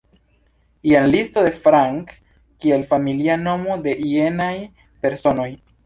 Jen listo de Frank kiel familia nomo de jenaj personoj.